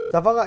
dạ vâng ạ